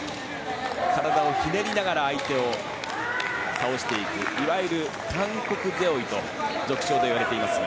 体をひねりながら相手を倒していくいわゆる韓国背負いと俗称で言われていますが。